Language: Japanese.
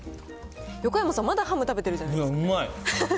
横山さん、まだハム食べてるじゃないですか。